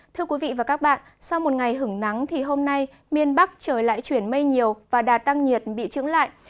thưa quý vị và các bạn sau một ngày hứng nắng thì hôm nay miền bắc trời lại chuyển mây nhiều và đà tăng nhiệt bị trứng lại